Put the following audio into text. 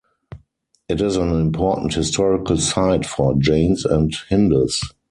It is an important historical site for Jains and Hindus.